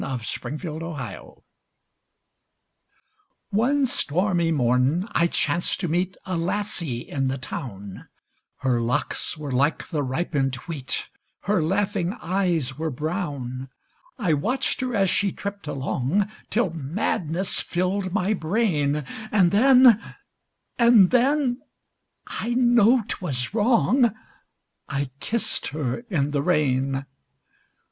_ A KISS IN THE RAIN One stormy morn I chanced to meet A lassie in the town; Her locks were like the ripened wheat, Her laughing eyes were brown. I watched her as she tripped along Till madness filled my brain, And then and then I know 'twas wrong I kissed her in the rain!